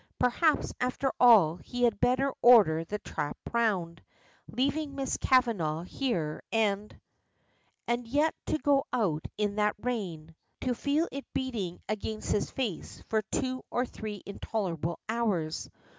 Perhaps, after all, he had better order the trap round, leave Miss Kavanagh here, and And yet to go out in that rain; to feel it beating against his face for two or three intolerable hours.